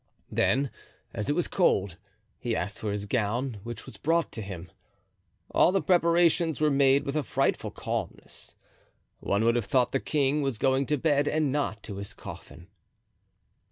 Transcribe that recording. Then, as it was cold, he asked for his gown, which was brought to him. All the preparations were made with a frightful calmness. One would have thought the king was going to bed and not to his coffin.